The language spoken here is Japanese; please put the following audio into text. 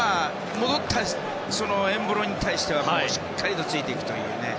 戻ったエンボロに対してはしっかりとついていきたいというね。